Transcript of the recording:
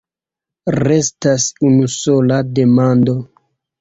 Restas unusola demando.